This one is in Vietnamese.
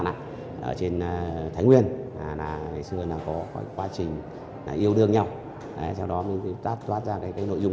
ở trên thái nguyên là ngày xưa là có quá trình yêu đương nhau sau đó mình toát ra cái nội dung